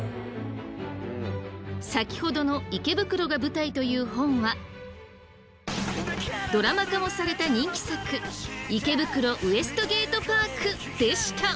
先ほどの池袋が舞台という本はドラマ化もされた人気作「池袋ウエストゲートパーク」でした。